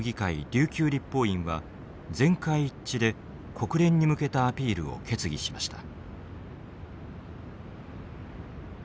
琉球立法院は全会一致で国連に向けたアピールを決議しました。